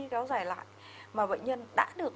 kéo dài lại mà bệnh nhân đã được